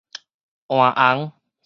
換紅